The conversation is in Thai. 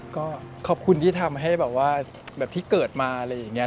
ก็ขอบคุณที่ทำให้แบบว่าแบบที่เกิดมาอะไรอย่างนี้